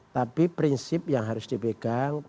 tapi prinsip yang harus dipegang